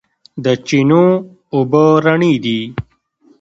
د چینو اوبه رڼې دي